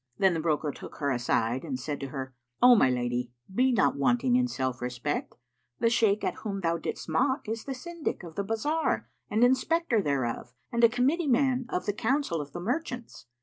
Then the broker took her aside and said to her, "O my lady, be not wanting in self respect. The Shaykh at whom thou didst mock is the Syndic of the bazar and Inspector[FN#459] thereof and a committee man of the council of the merchants."